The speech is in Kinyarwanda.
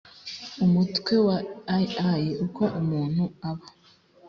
umutwe wa iii uko umuntu aba